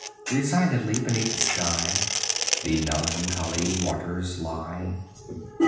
Resignedly beneath the sky The melancholy waters lie.